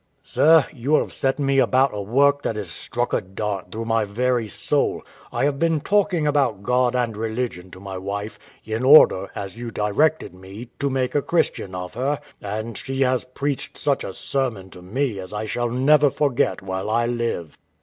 W.A. Sir, you have set me about a work that has struck a dart though my very soul; I have been talking about God and religion to my wife, in order, as you directed me, to make a Christian of her, and she has preached such a sermon to me as I shall never forget while I live.